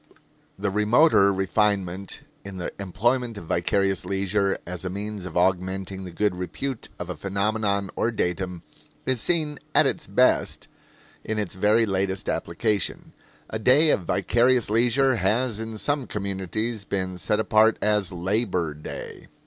The remoter refinement in the employment of vicarious leisure as a means of augmenting the good repute of a phenomenon or datum is seen at its best in its very latest application. A day of vicarious leisure has in some communities been set apart as Labor Day.